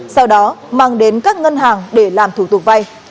sau đó mang đến các ngân hàng để làm thủ tục vay